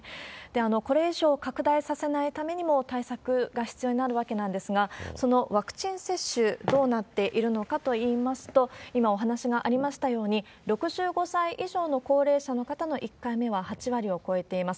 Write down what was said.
これ以上拡大させないためにも対策が必要になるわけなんですが、そのワクチン接種、どうなっているのかといいますと、今お話がありましたように、６５歳以上の高齢者の方の１回目は８割を超えています。